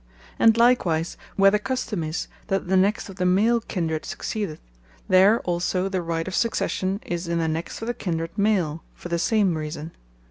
And likewise where the Custome is, that the next of the Male Kindred succeedeth, there also the right of Succession is in the next of the Kindred Male, for the same reason.